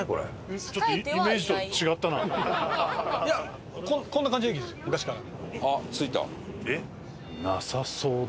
いやこんな感じの駅ですよ昔から。